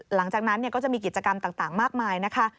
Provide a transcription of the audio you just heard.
หลังจากนั้นก็จะมีกิจกรรมต่างมากมายนะคะ